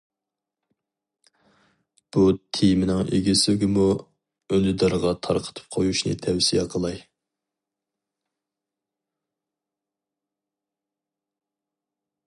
بۇ تېمىنىڭ ئىگىسىگىمۇ ئۈندىدارغا تارقىتىپ قويۇشنى تەۋسىيە قىلاي.